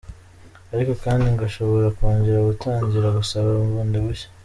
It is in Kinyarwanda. Ariko kandi ngo ashobora kongera gutangira gusaba bundi bushya.